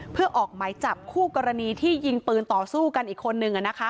เพื่อออกหมายจับคู่กรณีที่ยิงปืนต่อสู้กันอีกคนนึง